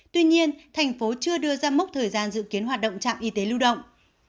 tuy nhiên thành phố chưa đưa ra mốc thời gian dự kiến hoạt động trạm y tế lưu động